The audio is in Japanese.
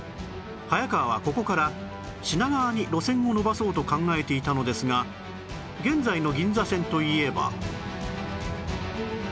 早川はここから品川に路線を延ばそうと考えていたのですが現在の銀座線といえば